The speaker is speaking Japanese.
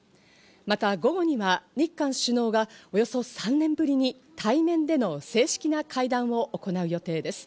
また午後には日韓首脳がおよそ３年ぶりに対面での正式な会談を行う予定です。